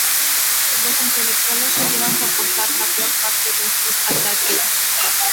Los intelectuales debieron soportar la peor parte de estos ataques.